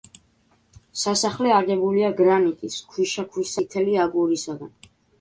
სასახლე აგებულია გრანიტის, ქვიშაქვისა და წითელი აგურისაგან.